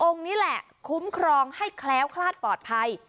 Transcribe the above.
นี่แหละคุ้มครองให้แคล้วคลาดปลอดภัย